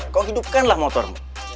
kok hidupkanlah motormu